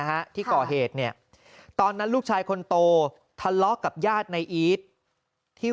ฮะที่ก่อเหตุเนี่ยตอนนั้นลูกชายคนโตทะเลาะกับญาติในอีทที่